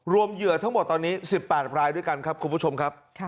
เหยื่อทั้งหมดตอนนี้๑๘รายด้วยกันครับคุณผู้ชมครับ